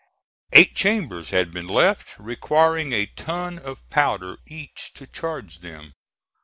Eight chambers had been left, requiring a ton of powder each to charge them.